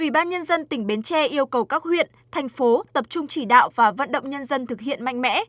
ubnd tỉnh bến tre yêu cầu các huyện thành phố tập trung chỉ đạo và vận động nhân dân thực hiện mạnh mẽ